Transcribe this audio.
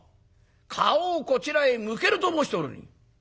顔をこちらへ向けると申しておるに」。